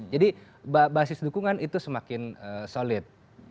jadi basis dukungan itu semakin solid